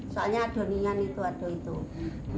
soalnya adonian itu adon itu